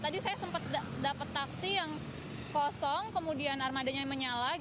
tadi saya sempat dapat taksi yang kosong kemudian armadanya menyala